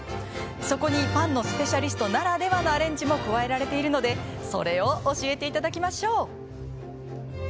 そこにパンのスペシャリストならではのアレンジも加えられているのでそれを教えていただきましょう。